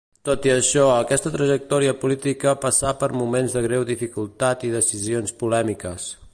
Tot i això, aquesta trajectòria política passà per moments de greu dificultat i decisions polèmiques.